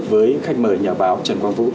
với khách mời nhà báo trần quang vũ